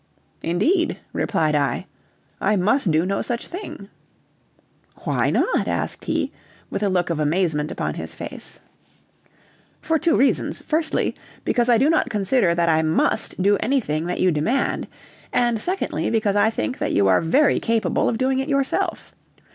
"Indeed!" replied I, "I must do no such thing." "Why not?" asked he, with a look of amazement upon his face. "For two reasons; firstly, because I do not consider that I must do anything that you demand; and, secondly, because I think that you are very capable of doing it yourself.